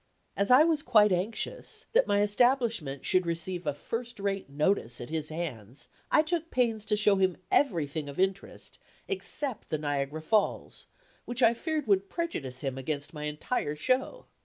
As I was quite anxious that my establishment should receive a first rate notice at his hands, I took pains to show him everything of interest, except the Niagara Falls, which I feared would prejudice him against my entire show.